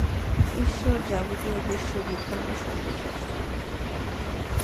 ঈশ্বর যাবতীয় বিশ্ব-বিধানের সর্বশ্রেষ্ঠ রূপ।